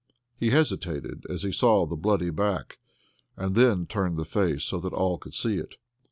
He hesitated as he saw the bloody back; and then turned the face so that all could see it.